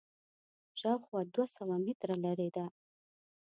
شاوخوا دوه سوه متره لرې ده.